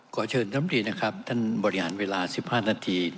ครับกอเชิญทำทีนะครับท่านบริหารเวลาสิบห้านาที